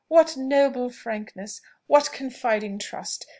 What noble frankness! what confiding trust!